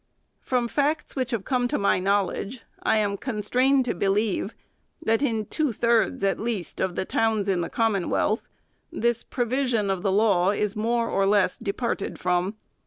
From facts which have come to my knowledge. I am constrained to believe, that, in two thirds at least of the towns in the Commonwealth, this provision of the law is more or less departed from.